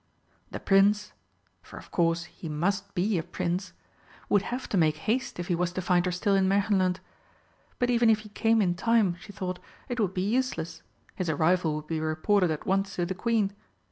The Prince (for of course he must be a Prince!) would have to make haste if he was to find her still in Märchenland. But even if he came in time, she thought, it would be useless his arrival would be reported at once to the Queen.